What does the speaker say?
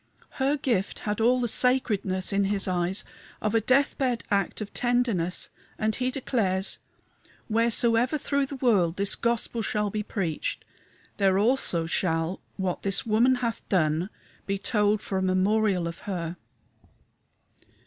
Her gift had all the sacredness in his eyes of a death bed act of tenderness, and he declares, "Wheresoever through the world this gospel shall be preached, there also shall what this woman hath done be told for a memorial of her."